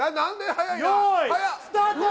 スタート